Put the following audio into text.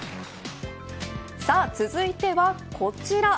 さあ続いてはこちら。